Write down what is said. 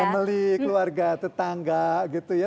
membeli keluarga tetangga gitu ya